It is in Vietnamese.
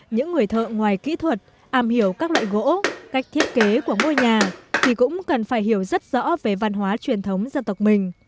những người thợ ngoài kỹ thuật am hiểu các loại gỗ cách thiết kế của ngôi nhà thì cũng cần phải hiểu rất rõ về văn hóa truyền thống dân tộc mình